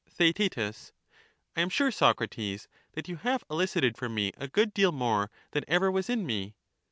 Theaet I am sure, Socrates, that you have elicited from me a good deal more than ever was in me.